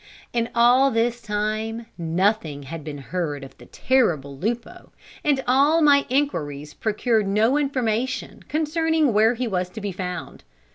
In all this time, nothing had been heard of the terrible Lupo, and all my inquiries procured no information concerning where he was to be found.